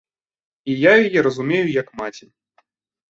І я яе разумею як маці.